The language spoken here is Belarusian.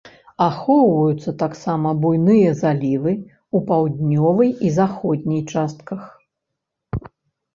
Ахоўваюцца таксама буйныя залівы ў паўднёвай і заходняй частках.